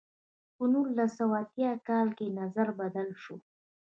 په نولس سوه اتیا کال کې نظر بدل شو.